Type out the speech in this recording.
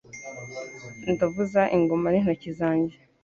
Ndavuza ingoma n'intoki zanjye